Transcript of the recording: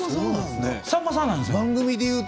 さんまさんなんです。